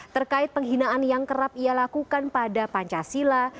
terkait penghinaan yang kerap ia lakukan pada pancasila